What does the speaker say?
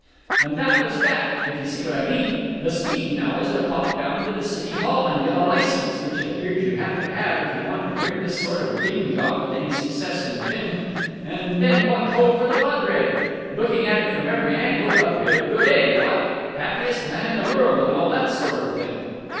and that was that, if you see what I mean. The scheme now is to pop down to the City Hall and get a licence, which it appears you have to have if you want to bring this sort of binge off with any success and vim, and then what ho for the padre! Looking at it from every angle, a bit of a good egg, what? Happiest man in the world, and all that sort of thing."